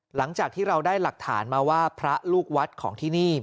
หลังจากที่เราได้หลักฐานมาว่าพระลูกวัดของที่นี่